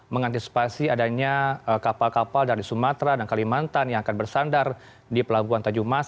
mengantisipasi adanya kapal kapal dari sumatera dan kalimantan yang akan bersandar di pelabuhan tanjung mas